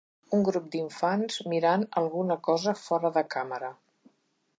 Un grup d'infants mirant alguna cosa fora de càmera.